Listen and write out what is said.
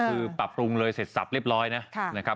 คือปรับปรุงเลยเสร็จสับเรียบร้อยนะครับ